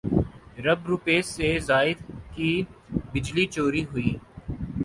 رب روپے سے زائد کی بجلی چوری ہوئی